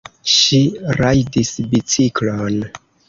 Ŝi rajdis biciklon.